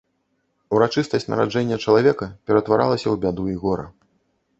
Урачыстасць нараджэння чалавека ператваралася ў бяду і гора.